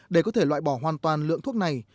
để có thể loại bỏ hoàn toàn lượng thuốc này